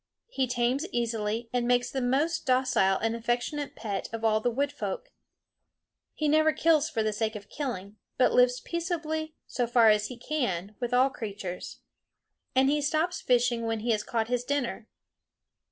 He tames easily, and makes the most docile and affectionate pet of all the wood folk. He never kills for the sake of killing, but lives peaceably, so far as he can, with all creatures. And he stops fishing when he has caught his dinner.